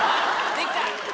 できた！